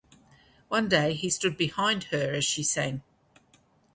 One day he stood behind her as she sang.